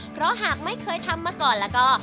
เพราะหากไม่เคยทำมาก่อนแล้วก็